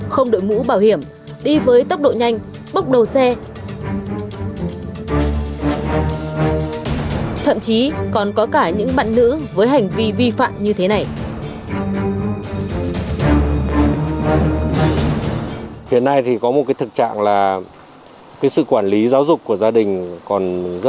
không đội mũ bảo hiểm đi với tốc độ nhanh bốc đầu xe